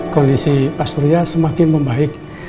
kondisi pak surya semakin membaik